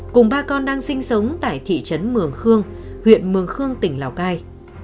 cùng ba con đang sinh sống tại thị trấn mường khương huyện mường khương tỉnh lào cai